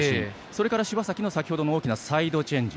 それから柴崎の先ほどのサイドチェンジ。